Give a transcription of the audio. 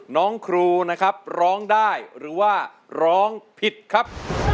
น้องครูนะครับร้องได้หรือว่าร้องผิดครับ